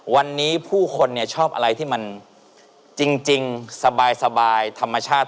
วันนี้ผู้คนเนี่ยชอบอะไรที่มันจริงสบายธรรมชาติ